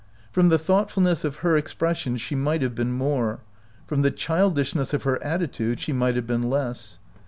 From the thoughtfulness of her expression she might have been more ; from the child ishness of her attitude she might have been less.